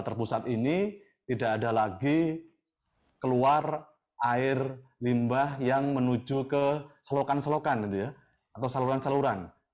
terpusat ini tidak ada lagi keluar air limbah yang menuju ke selokan selokan atau saluran saluran